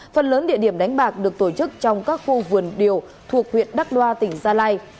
phần lớn địa điểm đánh bạc được tổ chức trong các khu vườn điều thuộc huyện đắk đoa tỉnh gia lai